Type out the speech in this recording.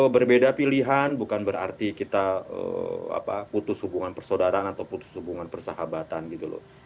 berbeda pilihan bukan berarti kita putus hubungan persaudaraan atau putus hubungan persahabatan gitu loh